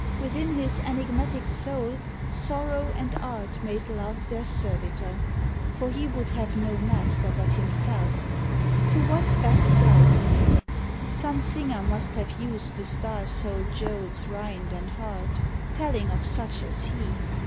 Within his enigmatic soul Sorrow and Art made Love their servitor, For he would have no master but himself. To what best liken him^ Some singer must Have used the star souled geode's rind and heart, 82 A CHARACTER Telling of such as he.